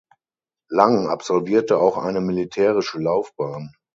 Lang absolvierte auch eine militärische Laufbahn.